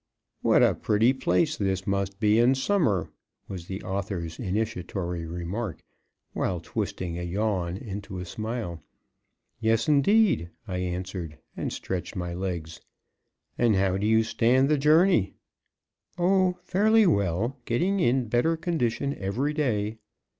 "What a pretty place this must be in summer," was the author's initiatory remark, while twisting a yawn into a smile. "Yes, indeed," I answered, and stretched my legs. "And how do you stand the journey." "Oh, fairly well; getting in better condition every day."